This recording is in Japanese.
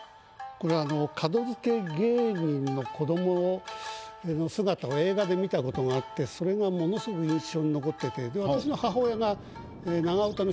これは門付け芸人の子どもの姿を映画で見たことがあってそれがものすごく印象に残ってて。